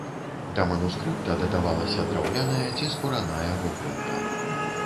Да манускрыпта дадавалася драўляная ці скураная вокладка.